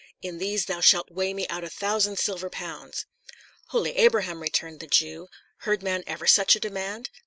In these shalt thou weigh me out a thousand silver pounds." "Holy Abraham!" returned the Jew, "heard man ever such a demand?